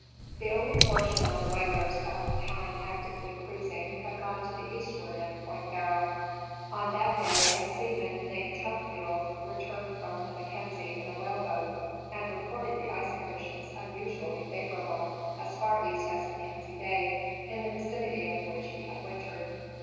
The only portion of the whalers at the time actively cruising had gone to the eastward of Point Barrow. On that day a sea man named Tuckfield returned from the Mackenzie in a whaleboat, and reported the ice conditions unusually favorable as far east as Mackenzie Bay, in the vicinity of which he had wintered.